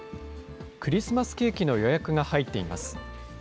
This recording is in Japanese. クリスマスケーキの予約が入っています。